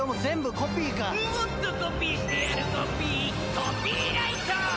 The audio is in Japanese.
コピーライト！